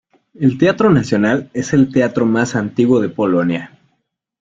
El Teatro nacional es el teatro más antiguo de Polonia.